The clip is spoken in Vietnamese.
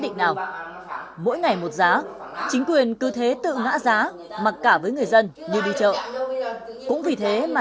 định nào mỗi ngày một giá chính quyền cứ thế tự ngã giá mà cả với người dân như đi chợ cũng vì thế mà